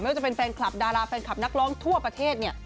ว่าจะเป็นแฟนคลับดาราแฟนคลับนักร้องทั่วประเทศเนี่ย